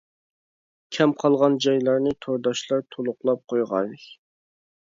كەم قالغان جايلارنى تورداشلار تولۇقلاپ قويغاي.